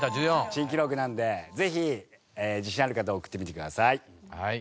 珍記録なのでぜひ自信ある方送ってみてください。